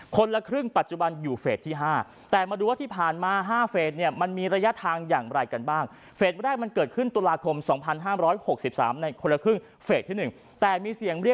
คนละครึ่งปัจจุบันอยู่เฟสที่๕